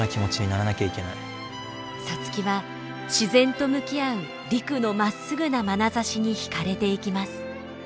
皐月は自然と向き合う陸のまっすぐなまなざしに惹かれていきます。